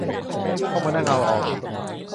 ต้องมานั่งเอาออกอีก